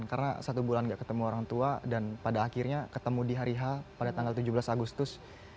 karena satu bulan gak ketemu orang tua dan pada akhirnya ketemu di hariha pada tanggal tujuh belas agustus